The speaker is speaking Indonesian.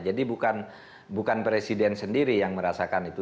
jadi bukan presiden sendiri yang merasakan itu